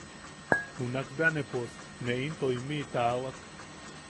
Junak bea pos ne into imiʼi tawak.